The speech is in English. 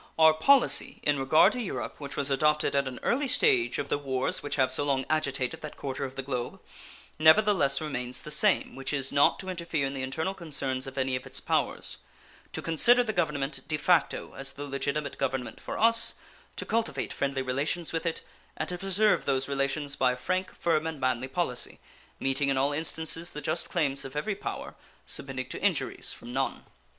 Our policy in regard to Europe, which was adopted at an early stage of the wars which have so long agitated that quarter of the globe, nevertheless remains the same, which is, not to interfere in the internal concerns of any of its powers; to consider the government de facto as the legitimate government for us; to cultivate friendly relations with it, and to preserve those relations by a frank, firm, and manly policy, meeting in all instances the just claims of every power, submitting to injuries from none.